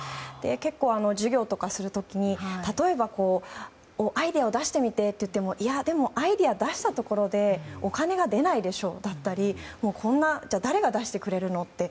結構、授業とかする時にアイデアを出してみてって言ってもいや、アイデアを出したところでお金は出ないでしょ、だったりじゃあ誰が出してくれるの？